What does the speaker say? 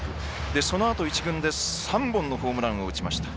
そのあと一軍で３本のホームランを打ちました。